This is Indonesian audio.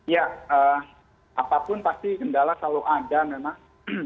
ya apapun pasti kendala selalu ada memang